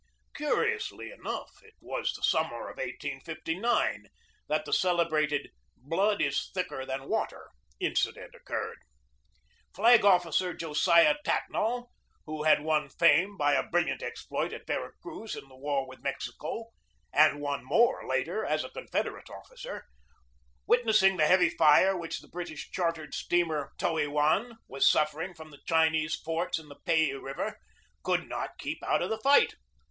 Curiously enough, it was the summer of 1859 that the celebrated "Blood is thicker than water" incident occurred. Flag Officer Josiah Tatnall, who had won fame by a brilliant exploit at Vera Cruz in the war with Mexico, and won more later as a Con federate officer, witnessing the heavy fire which the British chartered steamer Toey wan was suffering from the Chinese forts in the Pei River, could not keep out of the fight.